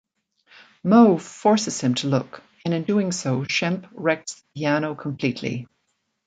Moe forces him to look, and in doing so Shemp wrecks the piano completely.